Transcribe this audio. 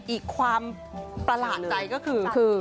อีกความประหลาดใจก็คือ